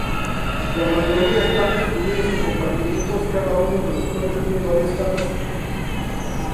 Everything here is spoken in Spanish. La mayoría están distribuidos en compartimentos, cada uno de los cuales tiene varias camas.